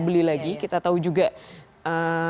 teknik alam k mache